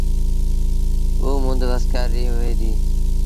اُ مند وسڪآري ري هوئي ديٚ۔